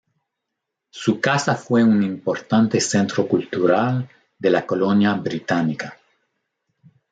Su casa fue un importante centro cultural de la colonia británica.